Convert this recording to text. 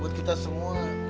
buat kita semua